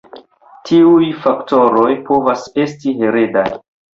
Tiuj faktoroj povas esti heredaj.